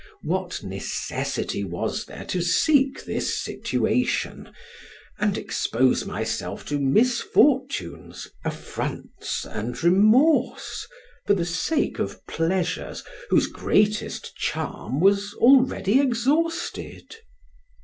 What necessity was there to seek this situation, and expose myself to misfortunes, affronts and remorse, for the sake of pleasures whose greatest charm was already exhausted?